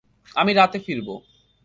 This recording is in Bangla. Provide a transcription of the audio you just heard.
আমি রাতে ফিরবো।